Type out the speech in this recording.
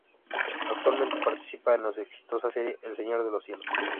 Actualmente participa en la Exitosa Serie "El Señor de Los Cielos".